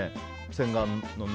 洗顔のね。